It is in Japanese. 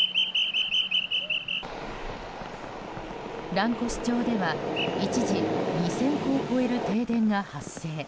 蘭越町では一時２０００戸を超える停電が発生。